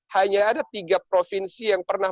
hanya ada tiga provinsi yang pernah